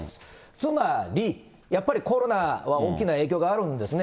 つまり、やっぱりコロナは大きな影響があるんですね。